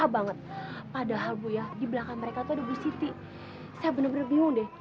mengatakan kongtopi kamu dan saya kagum tidak ada yang tahu apa ada di satu moo punya wegak